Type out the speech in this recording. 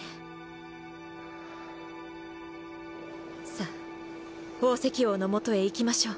さあ宝石王のもとへ行きましょう。